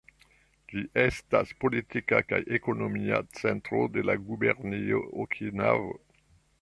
Ĝi estas politika kaj ekonomia centro de la Gubernio Okinavo.